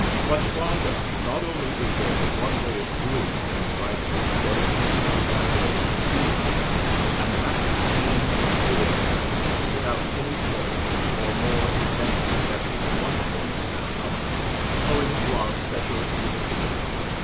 But farther, not only is there but one way of doing things rightly, but there is only one way of seeing them, and that is, seeing the whole of them, without any choice, or more intense perception of one point than another, owing to our special idiosyncrasies.